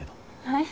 はい？